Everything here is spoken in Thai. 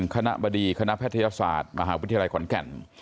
คณะบดีคณะแพทยศาสตร์มหาวิทยาลัยขอนแก่น